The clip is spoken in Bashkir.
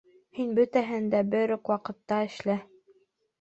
— Һин бөтәһен дә берүк ваҡытта эшлә.